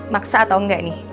maksa atau enggak nih